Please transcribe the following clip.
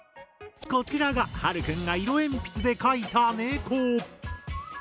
こちらがはるくんが色鉛筆で描いたネコ。